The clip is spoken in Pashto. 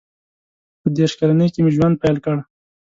• په دېرش کلنۍ کې مې ژوند پیل کړ.